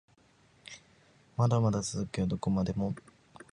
まだまだ続くよどこまでも